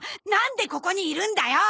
んでここにいるんだよ！